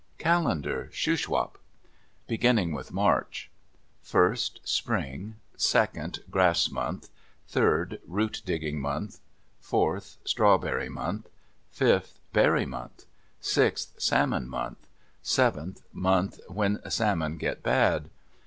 CALENDAR Shuswap Beginning with March: First.—Spring. Second.—Grass month. Third.—Root digging month. Fourth.—Strawberry month. Fifth.—Berry month. Sixth.—Salmon month. Seventh.—Month when salmon get bad.